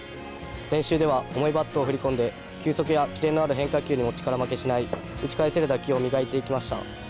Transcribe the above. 練習では重いバットを振り込んで球速やキレのある変化球にも力負けしない打ち返せる打球を磨いていきました。